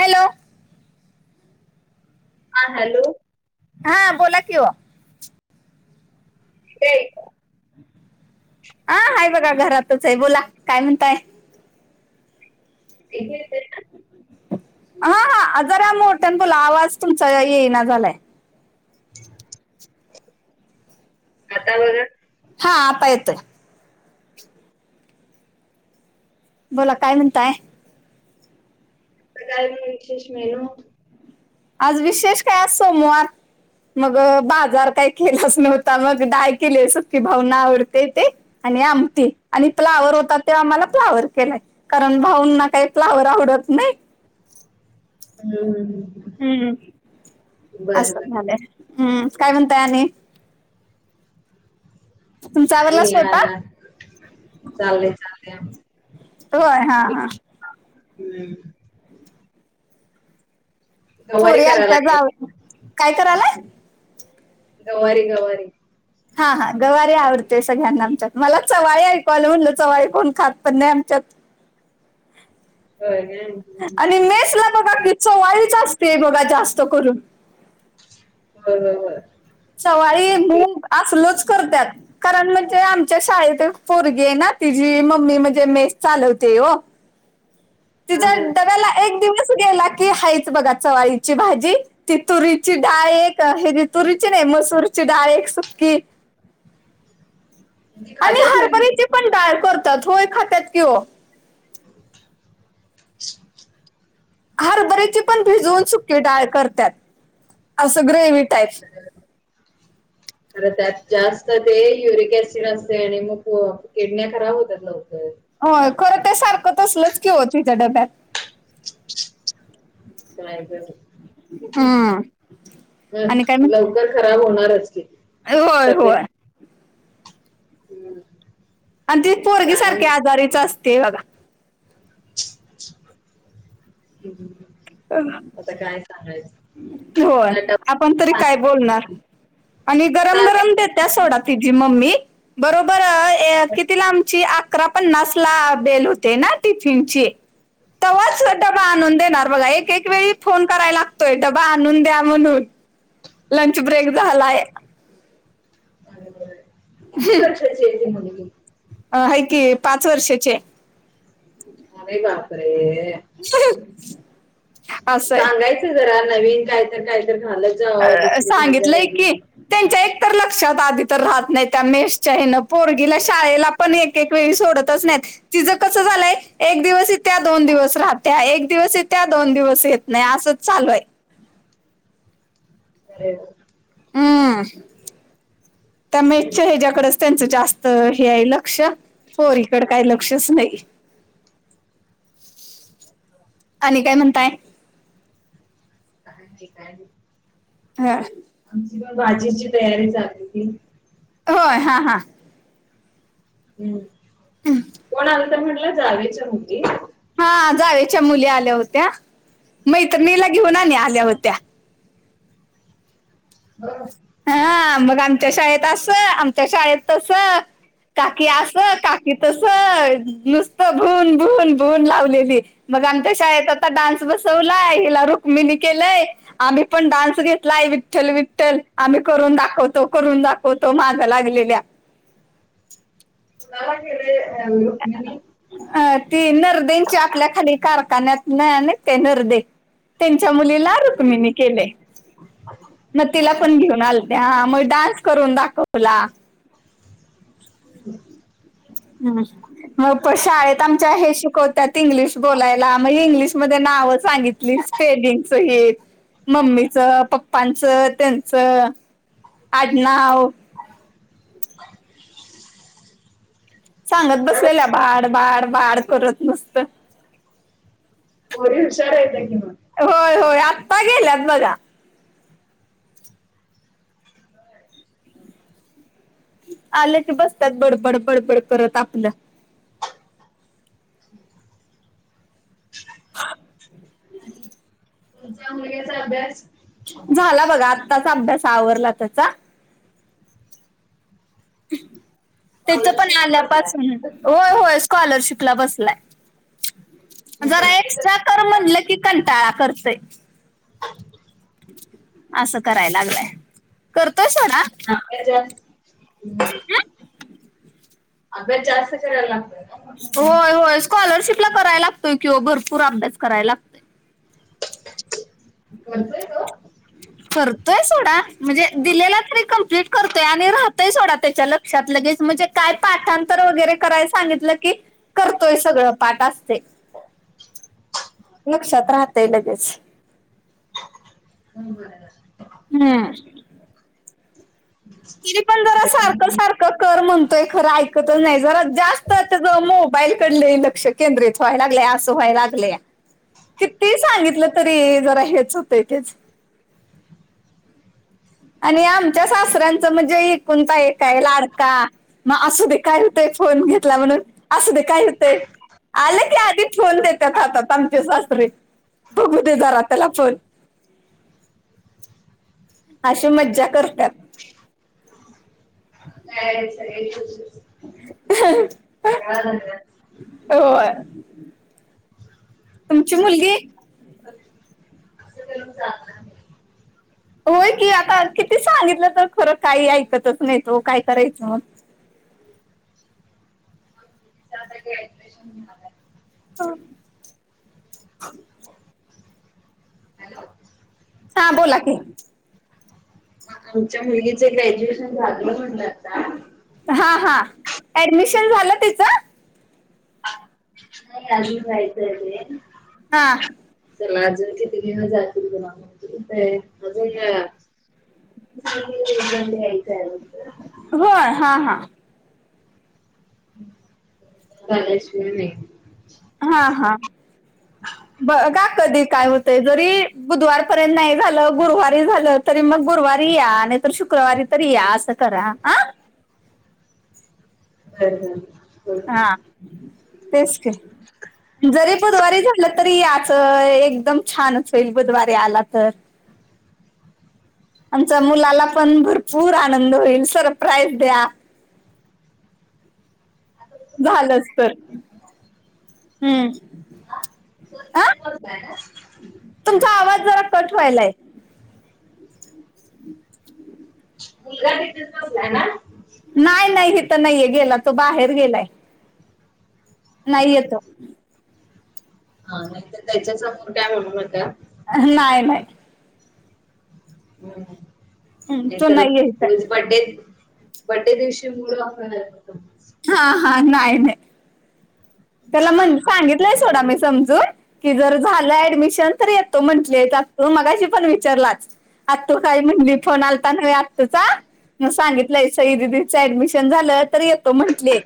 Hello. हा hello. हां बोला कि वो. कुठे आहे? आ हाय बघा घरातच आहे बोला काय म्हणताय? ते हे [unintelligible] हां हा जरा मोठ्यानं बोला आवाज तुमचा येईना झालाय. आता बघा. हा आता येतोय. बोला काय म्हणताय? काय म विशेष मेनू? आज विशेष काय सोमवार. मग बाजार काही केलाच नव्हता मग डाळ केलीये सुकी भाऊना आवडते ते. आणि आमटी, आणि फ्लावर होता तो आम्हाला फ्लावर केलाय. कारण भाऊंना काहीच फ्लॉवर आवडत नाही. हम्म हम. हम्म, असं बर झालय, हम्म काय म्हणताय आणि? तुमचा काय आवरला नाही स्वयपाक. आ चाललंय चाललंय आमचं होय हा हा. हम्म. गवारी पोरी करायला आलत्या जाव, लागले काय करायलाय. गवारी गवारी. हा हा गवारीे आवडते सगळ्यांना आमच्यात मला चवाळी ऐकूयलं म्हणलं चवाळी कोण खात पण नाही आमच्यात. होय [unintelligible] आणि मेसला बघा कि चवळी असते बघा जास्त करून. होय होय होय. चवळी, ते मुंग, असलच करत्यात. कारण म्हणजे आमच्या शाळेत एक पोरगी हायना तिची मम्मी म्हणजे मेस चालवते ओ. [inaudible] तिज्या डब्याला एक दिवस गेला की हायच बघा चवाळीची भाजी, ती तुरीची डाळ एक हे तुरी ची नाही मसूरचीडाळ एक सुक्की. ती आणि खात्या पोरगी हरभऱ्याची पण डाळ करतात होय खात्यात कि ओ. हरभरीची पण भिजवून सुकी डाळ करत्यात, असं ग्रेव्ही टाईप. [unintelligible] खर त्यात जास्त ते युरिक ऍसिड असतय आणि मग किडन्या खराब होतात लवकर. होय खरं ते सारखं ते तसलच कि ओ तुझ्या डब्यात. काय ग बई. हम्म हम आणि काय म्हण लवकर खराब होणारच कि. होय होय. हम्म. अन ती पोरगी काय सारखी आजारीच असते बघा. हम्म, आता काय सांगाय होय, आपण तरी काय सांग- बोलणार. आणि गरम गरम सांगायचं देत्या सोडा तिची मम्मी, बरोबर ए कितीला आमची अकरा पन्नासला बेल होते ना टिफिनची. तवाच डबा आणून देणार बघा एक एक एक वेळी फोन करायला लागतोय डबा आणून द्या म्हणून. लंच ब्रेक झालाय. किती वर्षची हाय ती मुलगी? अ हाय की पाच वर्षाची हाय. अरे बापरे! [unintelligible] असंय सांगायचं जरा नवीन कायतर कायतर घालत जाव अ, दुसरी भाज्या सांगितलंय की वगैरे. त्यांच्या एक तर लक्षात आधी तर राहत नाही त्या मेशच्या हेन पोरगीला शाळेला पण एक एक वेळी सोडतच नाहीत. तिचं कस झालंय, एक दिवस येत्या दोन दिवस राहत्या एक दिवस येत्या दोन दिवस येत नाही असंच चालू आहे. ह [unintelligible] हम्म त्या मेसच्या हच्या्याकडच त्यांचं जास्त हे आहे लक्ष. पोरीकडं काय ल क्षच नाही, आणि काय म्हणताय? का ठी काय [unintelligible] हा. आमची पण भाजीची तयारी चालू होती. होय हा हा. हम्, कोण आलं तर म्हटलं जावेच्या मुगी? [unintelligible] हा जावेच्या मुली आल्या होत्या, मैत्रिणीला घेऊन आणि आल्या होत्या. हा. हा, मग आमच्या शाळेत असं, आमच्या शाळेत तस. काकी अस, काकी तस नुसतं, भून-भून-भून लावलेली. मग आमच्या शाळेत आता डान्स बसवलाय, हिला रुक्मिनी केलंय. आम्ही पण डान्स घेतलाय, विठ्ठल-विठ्ठल. आम्ही करून दाखवतो, करून दाखवतो, माग लागलेल्या. काुमिनी [unintelligible] अ ती नरदेची आपल्या खाली कारखान्यात नाही का नरदे. त्यांच्या मुलीला रुक्मिनी केलय. मग तिला पण घेऊन आलत्या, मग डान्स करून दाखवला. हम्. हम्. मग प शाळेत आमच्या हे शिकवत्यात इंग्लिश बोलायला, मग इंग्लिशमध्ये नाव सांगितली. स्पेल्लिंगसहित मम्मीच, पप्पांचं, त्यांचं आडनाव. [inaudible] सांगत बसलेल्या, भाड-भाड-भाड करत नुसत. पोरीं हुशार कि मग. होय-होय आत्ता गेल्यात बघा. आल्या की बस्त्यात बडबड बडबड करत आपलं. आणि तुमच्या मुलग्याचा अभ्यास? झाला बघा आत्ताच अभ्यास आवरला त्याचा. त्याच पण स्कॉलरशिपला बसलाय. आल्यापासून होय-होय स्कॉलरशिपला बसलाय, मग जरा करतोय तर एक्स्ट्रा कर म्हटलं की, कंटाळा करतय. असं कराय लागलाय, करतो सोडा. ज [unintelligible] अभ्यास जास्त करायला लागतो. होय-होय स्कॉलरशिपला करायला लागतोय किं ओ भरपूर अभ्यास कराय लाग करतोय तो? करतोय सोडा म्हणजे दिलेला तरी कम्प्लीट करतोय आणि राहतोय सोडा त्याच्या लक क्षात लगेच म्हणजे काय पाठांतर वगैरे कराय सांगितलं की करतोय सगळं पाठ असतय. लक्षात राहतय लगेच. हो बर बर. हम्. तरी पण जरा नाहीतर मग सारखं-सारखं कर म्हणतोय खरं, ऐकतच नाही जरा जास्त तेच मोबाईल कड लई लक्ष केंद्रित व्हाय लागलय, असं व्हाय लागलया. किती सांगितलं तरी, जरा हेच होतं तेेच. आणि आमच्या सासर्यांचं म्हणजे एकूलता, एक हाय लाडका. मग असू दे काय होतंय फोन घेतला म्हणून असू दे काय हुं तय आले की आधी फोन देतात राहातात आमचे, सासरे बघू दे ज त्याला फोन. अशी मज्जा करत्यात. काच आहे., स.. रहात अन.. [unintelligible] होय तुमची मुलगी अस ज [unintelligible] होय की आता किती सांगितलं तर खरं काही ऐकतच नाही त काय करायचं मग ्रेशन [unintelligible] हा [unintelligible] हा [unintelligible] हॅलो, हां बोला की, मग आमच्या मुलगीच ग्रॅज्युएशन झालं म्हणलं आता. हा हा ऍडमिशन झालं तीच. [unintelligible] नाही अजी जायच ते हाआ चला अजून किती गे, जाग अजून हित अजून यायचय ब होय हा हा बागासी पण नाही. हा हा ह, [unintelligible] [inaudible] ब का कधी काय होतय जरी, बुधवारपर्यंत नाही झालं गुरुवारी झालं. तरी मग गुरुवारी या नाही तर, शुक्रवारी तरी या असं करा. हर ह [unintelligible] हः आ हा तेस की, जरी बुधवारी झालं तरी याचं, एकदम छानच चय, होईल बुधवारी आला तर, आमच्या मुलाला पण भरपूर आनंद होईल. सरप्राईज द्या. झालंच तर, हम्म अ.. होत ना तुमचा आवाज जरा कट व्हायलाय. मुलगा हहितच, ठिबला य ना. नाही नाही इथं नाहीये, गेला तो, बाहेर गेलाय. नाहीये तो. हा नाही तर त्याच्या समोर काय म्हणू नका. नाही नाही. हम् नाही तो नाहीये तरकुच, इथं बड्डे बड्डे दिवशी मुड ऑफ. होना, हा हा नाहीय नाय. त्याला म्हण, सांगितलंय सोडा मी समजून. कि, जर झालं ऍडमिशन तर येतो म्हंटले, त्या तो मगाशी पण विचारलाच. आतू काय म्हणली, फोन आलता नव्हे आतुंचा. मग सांगितलंय सई ददीचं ऍडमिशन झालं, तर येतो म्हंटले.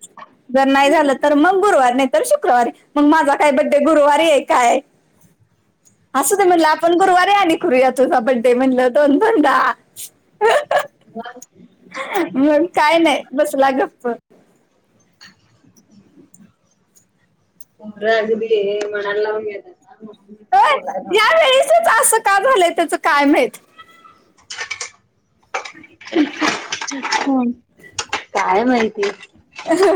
जर नाही झालं तर मग गुरुवारी नाही तर शुक्रवारी, मग माझा काय बड्डे गुरुवारी आहे काय? असं ते म्हणलं, आपण गुरुवार आणि करूया, तुझा बड्डे म्हणलं दोन दोन दा. ह [unintelligible] [inaudible] हहंअ, मग काय नाही बसला गप्प. पोर अगदी, मनाला लावून घेतात. या नको. वेळेसचच असं का? झालंय त्याच, काय माहींत. हम्म [unintelligible] [inaudible] काय माहितीय. अ ह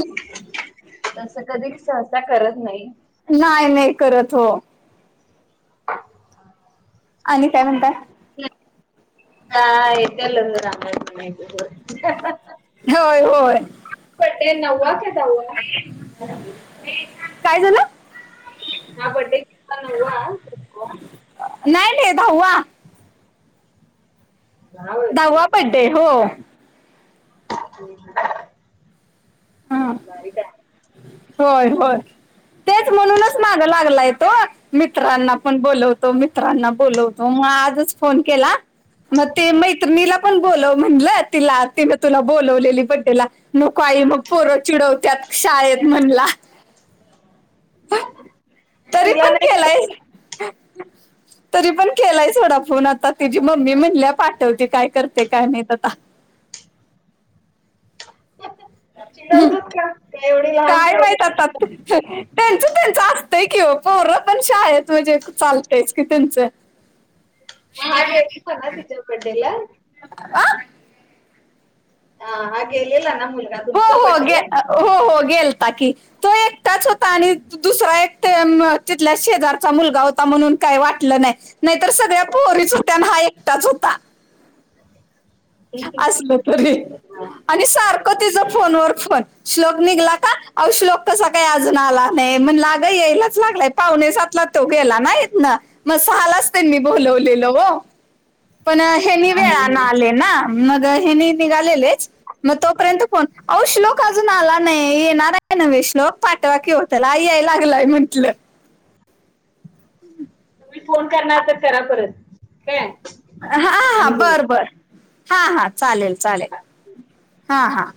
तस कधी सहसा करत नाही नाही नाही करत हो आणि काय म्हणताय नाय न, नय हिचा लग्न झालं, [unintelligible] होय होय [inaudible] पट ते नववा कां? दहावा. [unintelligible] [inaudible] काय झालं? हा बदडे, हा नववा. नाय नाय दहावा. दहा वर्ष दहावा बड्डे हो. [inaudible] हम्म बारीक आहे होय होय तेच म्हणूनच मागा लागलाय तो मित्रांना पण बोलवतो मित्रांना पण बोलवतो मग आजच फोन केला मग ते मैत्रिणीला पण बोलव म्हणलं तिला तिने तुला बोलवलेली बड्डेेला नको आई मग पोर चिडवत्यात शाळेत म्हणला तरी पण केलाय [inaudible] तरी पण केलाय सोडा फोन आता तिची मम्मी म्हणल्या पाठवते काय करते काय माहित आता चिडवतात का ते एवढी लहान काय पोर माहित आता त्यांचं त्यांच असतंय कि ओ पोर पण शाळेत म्हणजे चालतयच की त्यांचं मग हा गेला सोडा तिच्या बड्डे ला आा आ हा गेलेला ना मुलगा हो तुमचा हो बड्डे गे ला हो हो गेल ता की तो एकटाच होता आणि दुसरा एक तिथल्या शेजारचा मुलगा होता म्हणून काही वाटलं नाही नाही तर सगळ्या पोहरीच होत्या आणि हा एकटाच होता असल तरी हा, आणि सारखं तिचा फोन वर फोन श्लोक निघला का अहो श्लोक कसा काय अजून आला नाही म्हनला अग येईल लागलाय पाहणे सातला तो गेला ना इथन मग सहालाच त्यांनी बोलवलेल ओ पण हेनी हा, हा, वेळा न हा. आले ना मग हेनि निघालेलेच मग तोपर्यंत फोन अहो श्लोक अजून आला नाही येणार आहे नवे श्लोक पाठवा की ओ त्याला याय लागलाय म्हंटलं तुम्ही फोन करणार तर करा परत काय आ हा हा आणि बरं बर बोला हा हा चालेल चालेल हा हा